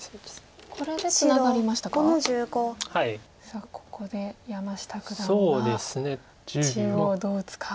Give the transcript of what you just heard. さあここで山下九段は中央どう打つか。